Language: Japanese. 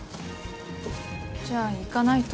じゃあ行かないと。